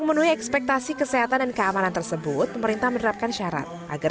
memenuhi ekspektasi kesehatan dan keamanan tersebut pemerintah menerapkan syarat agar